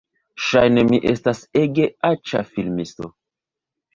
Ŝajne mi estas ege aĉa filmisto